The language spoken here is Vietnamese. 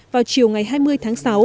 vào chiều ngày hai mươi tháng sáu